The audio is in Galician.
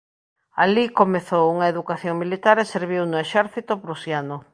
Alí comezou unha educación militar e serviu no exército prusiano.